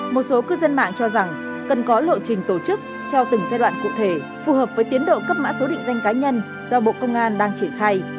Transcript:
một số cư dân mạng cho rằng cần có lộ trình tổ chức theo từng giai đoạn cụ thể phù hợp với tiến độ cấp mã số định danh cá nhân do bộ công an đang triển khai